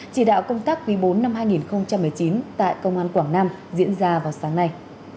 chỉ đạo công tác quý bốn năm hai nghìn một mươi chín tại công an quảng nam diễn ra vào sáng nay